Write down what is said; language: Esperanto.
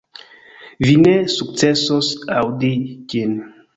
Vi ne sukcesos aŭdi ĝin.